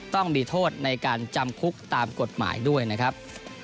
ต้องมีโทษในการจำคุกตามกฎหมายด้วยนะครับ